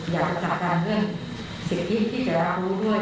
อยากจะจัดการเรื่องสิทธิที่จะรับรู้ด้วย